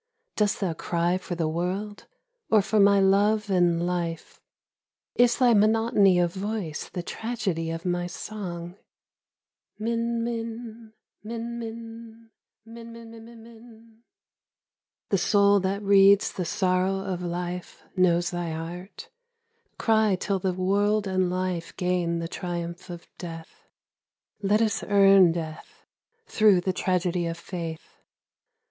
Dost thon cry for the world, or for my love and life ? Is thy monotony of voice the tragedy of my song ? Mri^ min, min, min, minminminminmin ..../ The soul that reads the sorrow of life knows thy heart : Cry till the world and life gain the triumph of death ! Let us earn Death through the tragedy of Faith